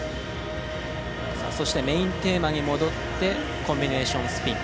そしてメインテーマに戻ってコンビネーションスピン。